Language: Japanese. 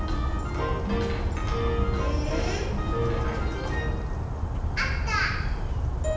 うん？あった！